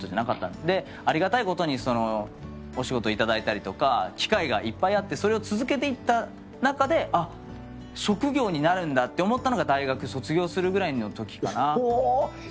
でありがたいことにお仕事頂いたりとか機会がいっぱいあってそれを続けていった中で職業になるんだと思ったのが大学卒業するぐらいのときかな。